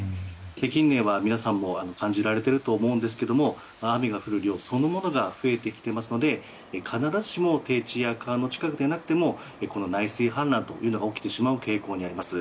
近年は皆さんも感じられていると思うんですけれども雨が降る量そのものが増えてきていますので必ずしも低地や川の近くでなくても内水氾濫というのが起きてしまう傾向にあります。